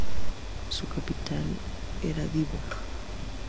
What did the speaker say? Su capital era Divo.